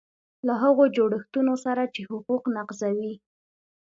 له هغو جوړښتونو سره چې حقوق نقضوي.